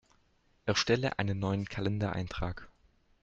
Erstelle einen neuen Kalendereintrag!